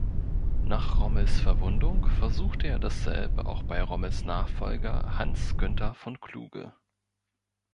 Nach Rommels Verwundung versuchte er dasselbe auch bei Rommels Nachfolger Hans Günther von Kluge.